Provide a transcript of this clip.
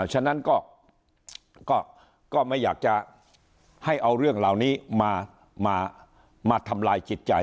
ฉะนั้นก็ไม่อยากจะให้เอาเรื่องเหล่านี้มาทำลายจิตใจ